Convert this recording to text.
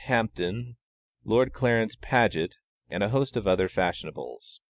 Hampton, Lord Clarence Paget, and a host of other fashionables.